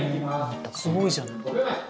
すごいじゃない。